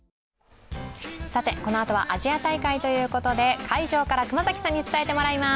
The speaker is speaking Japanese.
このあとはアジア大会ということで会場から熊崎さんに伝えてもらいます。